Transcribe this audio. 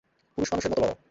পুরুষ মানুষের মতো লড়!